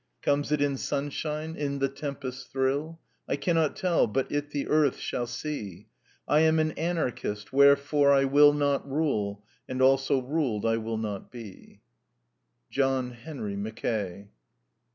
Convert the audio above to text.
Comes it in sunshine? In the tempest's thrill? I cannot tell but it the earth shall see! I am an Anarchist! Wherefore I will Not rule, and also ruled I will not be! JOHN HENRY MACKAY.